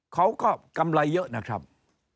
เขาก็กำไรเยอะนะครับ